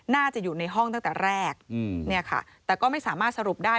น่าจะอยู่ในห้องตั้งแต่แรกเนี่ยค่ะแต่ก็ไม่สามารถสรุปได้